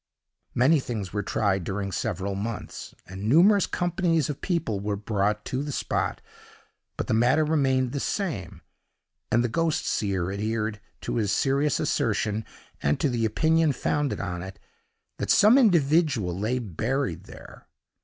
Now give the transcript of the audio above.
Many things were tried during several months, and numerous companies of people were brought to the spot, but the matter remained the same, and the ghost seer adhered to his serious assertion, and to the opinion founded on it, that some individual lay buried there.